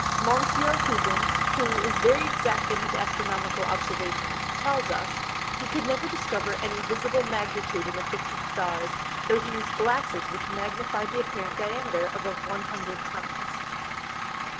Monsieur Hugens (who is very exact in his Astronomical Observations) tells us, he could never discover any visible Magnitude in the fix'd Stars, though he used Glasses which magnified the apparent Diameter above 100 times.